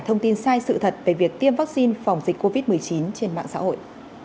thông tin sai sự thật về việc tiêm vaccine phòng dịch covid một mươi chín trên mạng xã hội